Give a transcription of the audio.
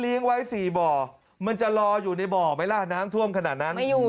ไว้๔บ่อมันจะรออยู่ในบ่อไหมล่ะน้ำท่วมขนาดนั้น